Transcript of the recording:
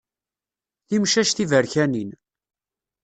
Timcac tiberkanin.